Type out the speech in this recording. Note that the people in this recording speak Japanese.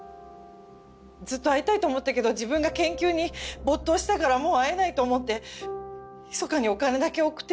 ずっと会いたいと思ったけど自分が研究に没頭したからもう会えないと思ってひそかにお金だけ送ってたの。